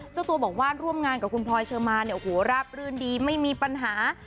เจ้าตัวเบาะว่าร่วมงานกับคุณพลอยเชิมมานเนี่ยระปรื่นดีไม่มีปัญหา